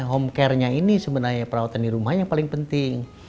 homecare nya ini sebenarnya perawatan di rumah yang paling penting